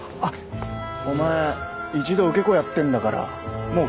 お前一度受け子やってんだからもう共犯なんだよ。